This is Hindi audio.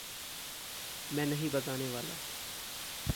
मैं नहीं बताने वाला।